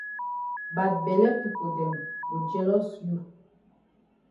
Bad bele pipo dem go jealous you.